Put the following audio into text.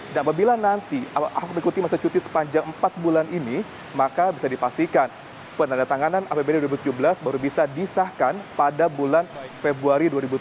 dan apabila nanti ahok berikuti masa cuti sepanjang empat bulan ini maka bisa dipastikan penandatanganan apbd dua ribu tujuh belas baru bisa disahkan pada bulan februari dua ribu tujuh belas